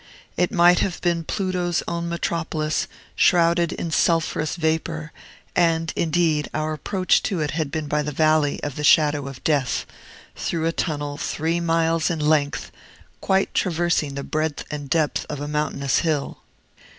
It might have been Pluto's own metropolis, shrouded in sulphurous vapor; and, indeed, our approach to it had been by the Valley of the Shadow of Death, through a tunnel three miles in length, quite traversing the breadth and depth of a mountainous hill.